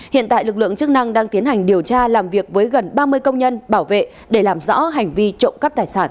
hiện tại lực lượng chức năng đang tiến hành điều tra làm việc với gần ba mươi công nhân bảo vệ để làm rõ hành vi trộm cắp tài sản